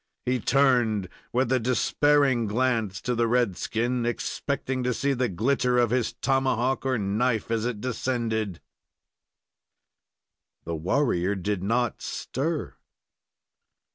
He turned, with a despairing glance, to the red skin, expecting to see the glitter of his tomahawk or knife as it descended. The warrior did not stir!